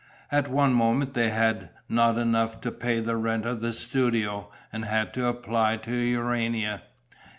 At one moment they had not enough to pay the rent of the studio and had to apply to Urania.